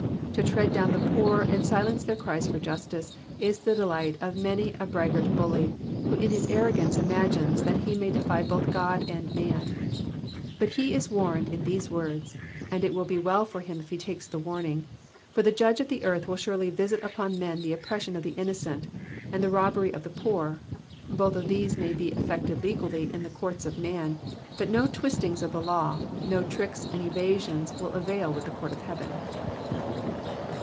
To tread down the poor and silence their cries for justice, is the delight of many a braggart bully, who in his arrogance imagines that he may defy both God and man ; but he is warned in these words, and it will 1)6 well for him if he takes the warning, for the Judge of all the earth will Digitized by VjOOQIC PSALM THE SIXTY SECOND. 119 surely visit upon men the oppression of the inDOcent, and the roobery of the poor : both of these may be effected legally in the courts of man, but no twist mgs of the law, no tricks and evasions will avail with the Court of Heaven.